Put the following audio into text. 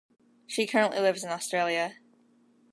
She currently lives in Australia.